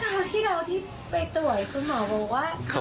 จากที่เราไปต่วยครูหมอบอกว่า